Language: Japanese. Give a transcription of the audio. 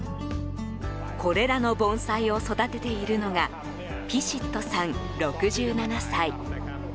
これらの盆栽を育てているのがピシットさん、６７歳。